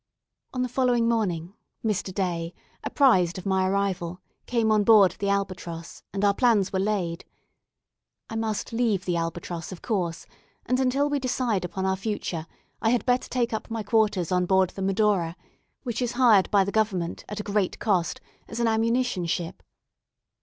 On the following morning, Mr. Day, apprised of my arrival, came on board the "Albatross," and our plans were laid. I must leave the "Albatross," of course, and, until we decide upon our future, I had better take up my quarters on board the "Medora," which is hired by the Government, at a great cost, as an ammunition ship.